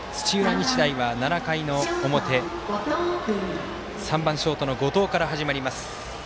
日大は７回の表３番ショートの後藤から始まります。